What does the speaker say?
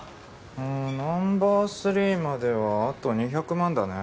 うんナンバー３まではあと２００万だね。